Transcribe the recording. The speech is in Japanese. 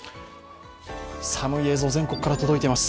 寒い映像、全国から届いています。